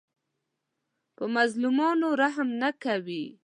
په مظلومانو رحم نه کوي